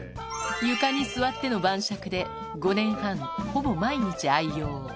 床に座っての晩酌で、５年半、ほぼ毎日、愛用。